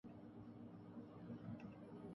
منینولوپس Minnesota Aruvi California